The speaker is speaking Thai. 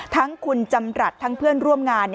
ทั้งคุณจำรัฐทั้งเพื่อนร่วมงาน